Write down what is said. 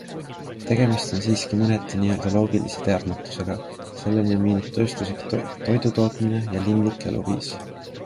Tegemist on siiski mõneti n-ö loogilise teadmatusega - selleni on viinud tööstuslik toidutootmine ja linlik eluviis.